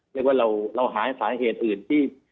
เรียกว่าเราหาสาเหตุอื่นที่